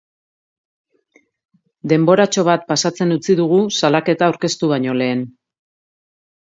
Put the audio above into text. Denboratxo bat pasatzen utzi dugu salaketa aurkeztu baino lehen.